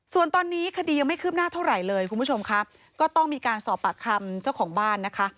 ส่วนตอนนี้คดียังไม่คืบหน้าเท่าไหร่เลยคุณผู้ชมค่ะก็ต้องมีการสอบปากคำเจ้าของบ้านนะคะ